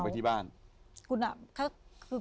คุณต้องกลับไปที่บ้าน